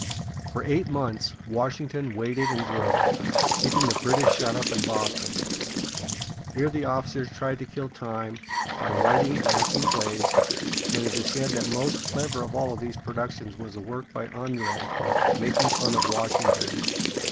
For eight months Washington waited and drilled, keeping the British shut up in Boston. Here the officers tried to kill time by writing and acting plays, and it is said that the most clever of all these productions was a work by An´dré making fun of Washington.